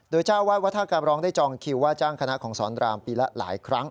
โดยเจ้าวาดวัดท่ากาบร้องได้จองคิวว่าจ้างคณะของสอนรามปีละหลายครั้ง